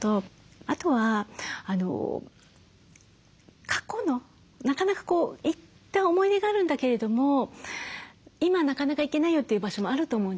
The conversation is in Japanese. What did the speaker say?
あとは過去のなかなか行った思い出があるんだけれども今なかなか行けないよという場所もあると思うんですよね。